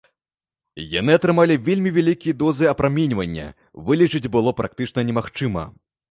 Яны атрымалі вельмі вялікія дозы апраменьвання, вылечыць было практычна немагчыма.